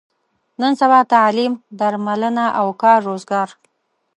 نن سبا تعلیم، درملنه او کار روزګار.